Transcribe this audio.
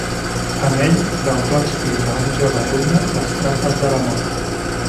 En ell, l'autor explica a un jove alumne les trampes de l'amor.